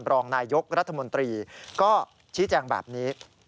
รองนายยกรัฐมนตรีก็ชี้แจงแบบนี้